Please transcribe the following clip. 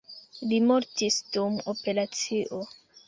Li mortis dum operacio.